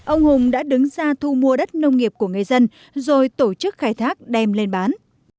ông hùng đã đứng ra thu mua đất nông nghiệp của người dân rồi tổ chức khai thác đem lên bán